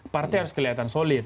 partai harus kelihatan solid